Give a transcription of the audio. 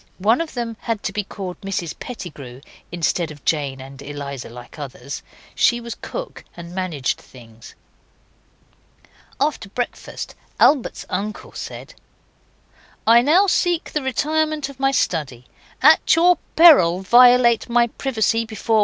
One of them had to be called Mrs Pettigrew instead of Jane and Eliza like others. She was cook and managed things. After breakfast Albert's uncle said 'I now seek the retirement of my study. At your peril violate my privacy before 1.